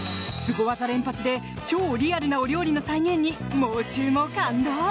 スゴ技連発で超リアルなお料理の再現にもう中も感動！